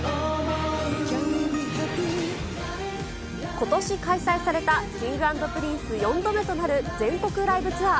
ことし開催された、Ｋｉｎｇ＆Ｐｒｉｎｃｅ４度目となる全国ライブツアー。